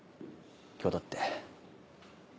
今日だって。